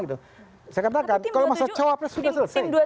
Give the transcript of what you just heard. saya katakan kalau masa cawapres sudah selesai